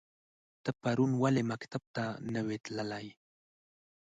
ته پرون ولی مکتب ته نه وی تللی؟